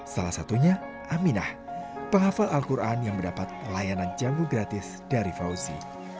salah satunya aminah penghafal al quran yang mendapat layanan jamu gratis dari fauzi